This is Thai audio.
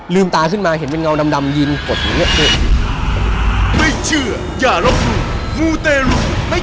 ลืมตาขึ้นมาเห็นเป็นเงาดำยินกดเหลือ